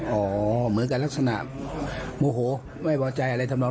เหมือนกันลักษณะโหม่โหไม่ปลอดใจอะไรทำลอง